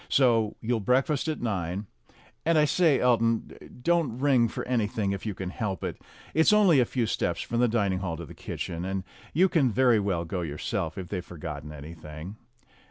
So you'll breakfast at nine. And I say, Elton, don't ring for anything if you can help it. It's only a few steps from the dining hall to the kitchen, and you can very well go yourself if they've forgotten anything."